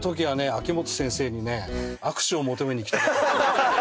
秋本先生にね握手を求めに行きたかった。